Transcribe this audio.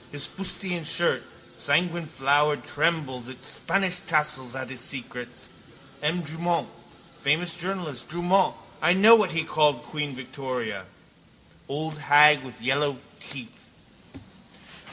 His fustian shirt, sanguineflowered, trembles its Spanish tassels at his secrets. M. Drumont, famous journalist, Drumont, know what he called queen Victoria? Old hag with the yellow teeth.